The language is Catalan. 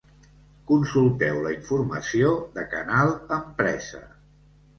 Consulteu la informació de Canal Empresa.